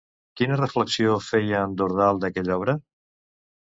Quina reflexió feia en Dordal d'aquella obra?